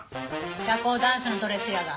社交ダンスのドレスやが。